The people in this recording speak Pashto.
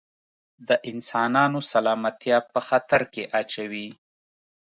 د انسانانو سلامتیا په خطر کې اچوي.